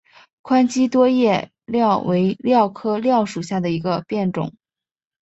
宽基多叶蓼为蓼科蓼属下的一个变种。